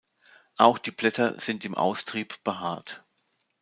Auch die Blätter sind im Austrieb behaart.